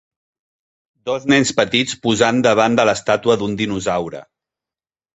Dos nens petits posant davant de l'estàtua d'un dinosaure.